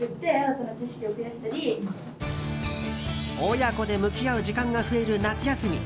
親子で向き合う時間が増える夏休み。